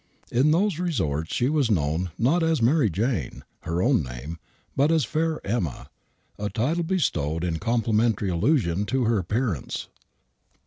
In those resorts she was known, not as 'N' iry Jane, her own name, but as "Fair Emma," a title bestowed in complimentary allusion to her appearance.